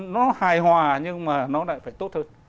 nó hài hòa nhưng mà nó lại phải tốt hơn